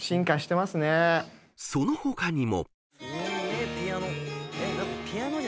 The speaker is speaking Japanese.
［その他にも］